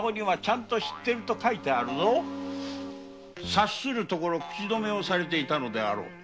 察するところ口止めをされていたのであろう。